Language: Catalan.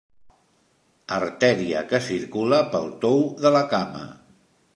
Artèria que circula pel tou de la cama.